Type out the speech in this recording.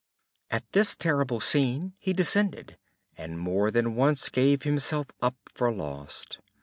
At this terrible scene he descended, and more than once gave himself up for lost.